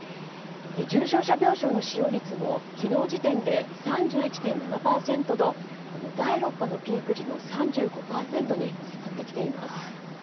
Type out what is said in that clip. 重症者病床の使用率も昨日時点で３１．７％と第６波のピーク時の３５％に迫ってきています。